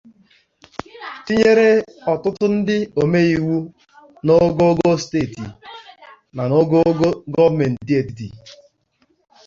tinyere ọtụtụ ndị omeiwu n'ogoogo steeti na n'ogoogo gọọmenti etiti